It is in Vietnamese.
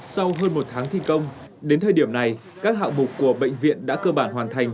sau hơn một tháng thi công đến thời điểm này các hạng mục của bệnh viện đã cơ bản hoàn thành